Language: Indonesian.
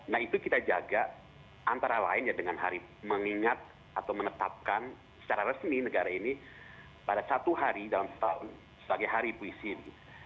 nah itu kita jaga antara lain ya dengan hari mengingat atau menetapkan secara resmi negara ini pada satu hari dalam setahun sebagai hari puisi